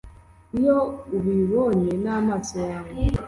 iyo ubibonye n'amaso yawe